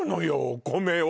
お米を！